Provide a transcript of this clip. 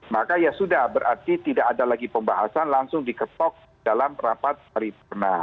maka ya sudah berarti tidak ada lagi pembahasan langsung diketok dalam rapat paripurna